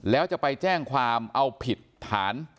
แล้วจะไปแจ้งความเอาผิดฐาน